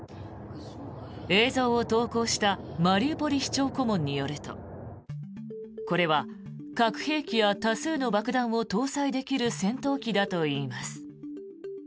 映像を投稿したマリウポリ市長顧問によるとこれは核兵器や多数の爆弾を搭載できる戦闘機だといいます。